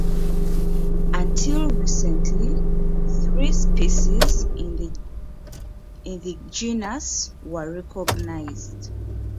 Until recently, three species in the genus were recognized.